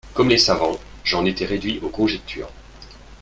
Comme les savants, j'en étais réduit aux conjectures.